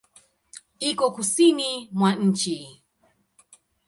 Iko Kusini mwa nchi.